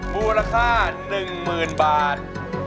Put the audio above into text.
มูลค่า๑๐๐๐บาท